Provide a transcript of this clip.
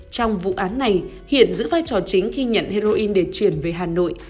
trong vụ án này hiện giữ vai trò chính khi nhận heroin để chuyển về hà nội